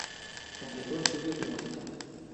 Completó estudios de música.